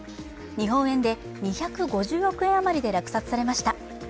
日本円で２５０億円余りで落札されました。